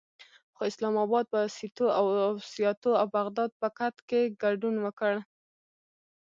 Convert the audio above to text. خو اسلام اباد په سیتو او سیاتو او بغداد پکت کې ګډون وکړ.